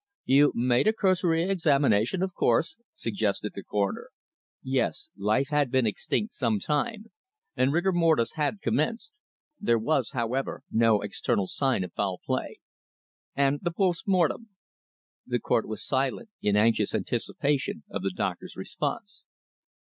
"You made a cursory examination, of course," suggested the Coroner. "Yes. Life had been extinct sometime, and rigor mortis had commenced. There was, however, no external sign of foul play." "And the post rnortem?" The Court was silent in anxious anticipation of the doctor's response.